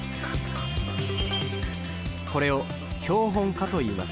これを「標本化」といいます。